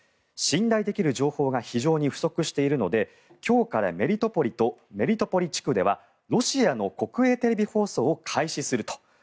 信頼できる情報が非常に不足しているので今日からメリトポリとメリトポリ地区ではロシアの国営テレビ放送を開始すると。